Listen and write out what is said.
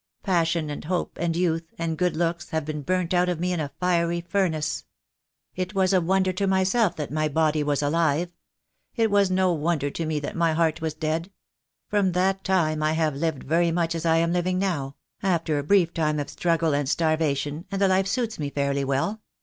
Passion and hope and youth, and good looks, had been burnt out of me in a fiery furnace. It THE DAY WILL COME. 39 was a wonder to myself that my body was alive. It was no wonder to me that my heart was dead. From that time I have lived very much as I am living now — after a brief time of struggle and starvation — and the life suits me fairly well.